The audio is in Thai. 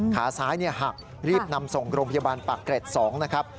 ขาซ้ายหักรีบนำส่งโรงพยาบาลปากเกร็ด๒นะครับ